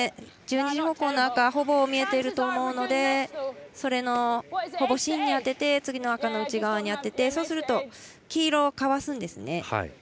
１２時方向の赤はほぼ見えていると思うのでそれの、ほぼ芯に当てて次の赤の内側に当ててそうすると、黄色をかわすんです。